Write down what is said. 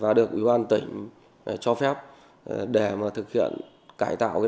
và được quỹ ban tỉnh cho phép hạ bớt cốt đất vận chuyển ra ngoài